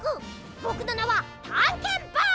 ぼくのなはたんけんボーイ！